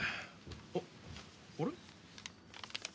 あっあれ？